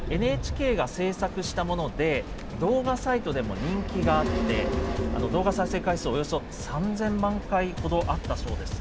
ＮＨＫが制作したもので、動画サイトでも人気があって、動画再生回数およそ３０００万回ほどあったそうです。